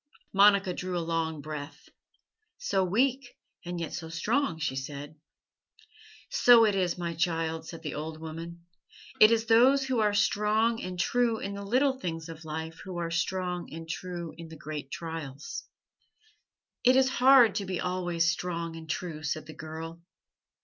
Monica drew a long breath. "So weak and yet so strong," she said. "So it is, my child," said the old woman. "It is those who are strong and true in the little things of life who are strong and true in the great trials." "It is hard to be always strong and true," said the girl.